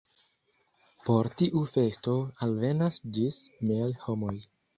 Por tiu festo alvenas ĝis mil homoj.